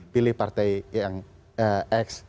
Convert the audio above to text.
pilih partai yang x